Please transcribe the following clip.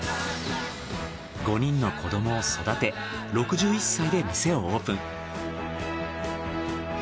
５人の子どもを育て６１歳で店をオープン。